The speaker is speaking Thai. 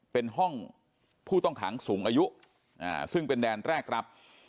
เป็นห้องผู้ต้องขังสูงอายุซึ่งเป็นแดนแรกรับ